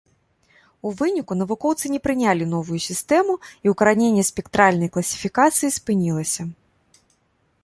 У выніку навукоўцы не прынялі новую сістэму, і ўкараненне спектральнай класіфікацыі спынілася.